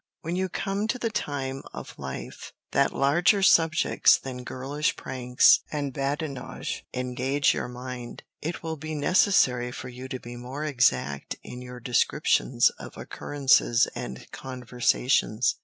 When you come to the time of life that larger subjects than girlish pranks and badinage engage your mind, it will be necessary for you to be more exact in your descriptions of occurrences and conversations.